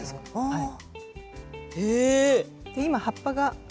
はい。